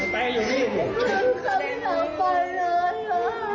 ไม่รู้จักใครบ้าง